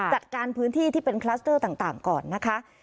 จัดการพื้นที่ที่เป็นคลัสเตอร์ต่างก่อนนะคะ